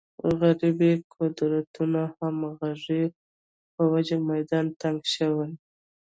غربې قدرتونو همغږۍ په وجه میدان تنګ شوی.